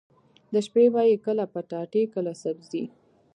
د شپې به يې کله پټاټې کله سبزي.